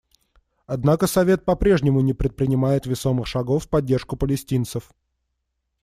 Однако Совет по-прежнему не предпринимает весомых шагов в поддержку палестинцев.